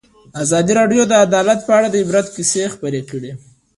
ازادي راډیو د عدالت په اړه د عبرت کیسې خبر کړي.